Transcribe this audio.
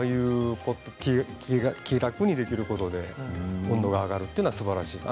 気楽にできることで温度が上がるというのはすばらしいです。